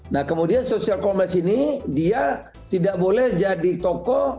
nah kemudian social commerce ini dia tidak boleh jadi tokoh